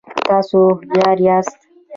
تاسو هوښیار یاست